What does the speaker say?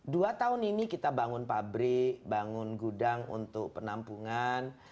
dua tahun ini kita bangun pabrik bangun gudang untuk penampungan